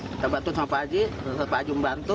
kita bantu sama pak haji pak haji membantu